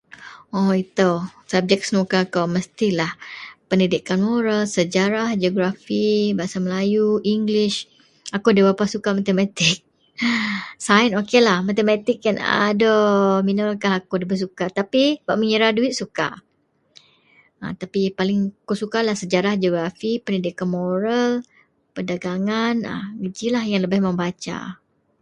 Ooo itou, sabjek senuka kou mestilah pendidikan moral, sejarah, geografi, bahasa Melayu, Inglih. Akou nda berapa suka matematik, sain oklah, matematik yen aduiii. Minoukah akou nda suka tapi bak mengira duwit akou suka tapi paling akou sukalah sejarah, geografi, pendidikan moral, perdagangan ah, gejilah, yen lebeh membaca